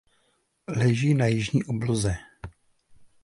Leží na jižní obloze.